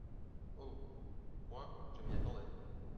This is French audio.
Oh ! moi, je m’y attendais…